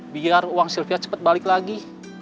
biar uang sylvia cepat balik lagi